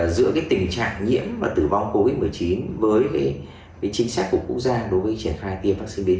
giữa tình trạng nhiễm và tử vong covid một mươi chín với chính sách của quốc gia đối với triển khai tiêm vaccine b